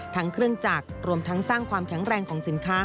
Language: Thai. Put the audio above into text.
ทั้งเครื่องจักรรวมทั้งสร้างความแข็งแรงของสินค้า